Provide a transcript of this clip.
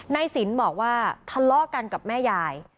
สินบอกว่าทะเลาะกันกับแม่ยาย